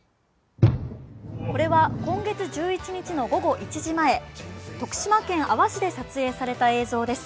これは今月１１日の午後１時前、徳島県阿波市で撮影された映像です。